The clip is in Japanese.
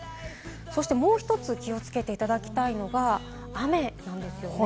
そしてもう１つ気をつけていただきたいのが、雨なんですよね。